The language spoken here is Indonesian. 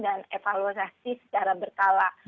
dan evaluasi secara bertala